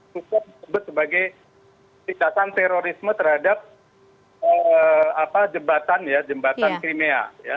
suka disebut sebagai tindakan terorisme terhadap jembatan ya jembatan krimia